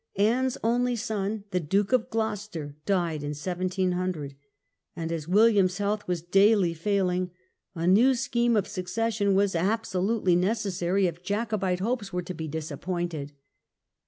Anne's only son, the Duke of Gloucester, died in 1700 ; and as William's health was daily failing a new scheme of succession was absolutely necessary if Jacobite hopes were to be disappointed.